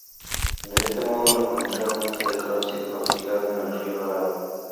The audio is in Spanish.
De este modo la frontera norte de Croacia quedó fijada en el río Drava.